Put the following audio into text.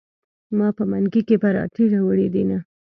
ما په منګي کې پراټې راوړي دینه.